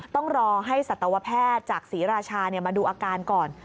ต้องรอให้สัตวแพทย์จากศรีราชามาดูอาการก่อน